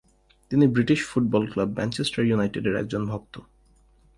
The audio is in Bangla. তিনি British football club Manchester United এর একজন ভক্ত।